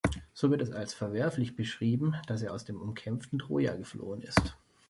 So wird es als verwerflich beschrieben, dass er aus dem umkämpften Troja geflohen ist.